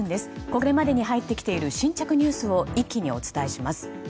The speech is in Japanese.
これまでに入ってきている新着ニュースを一気にお伝えします。